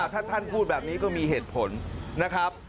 ถ้าท่านพูดแบบนี้ก็มีเหตุผลนะครับ